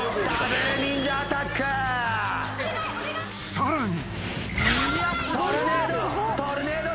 ［さらに］